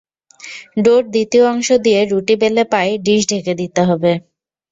ডোর দ্বিতীয় অংশ দিয়ে রুটি বেলে পাই ডিশ ঢেকে দিতে হবে।